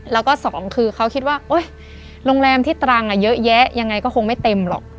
แล้วก็สองคือเขาคิดว่าโรงแรมที่ตรังเยอะแยะยังไงก็คงไม่เต็มหรอก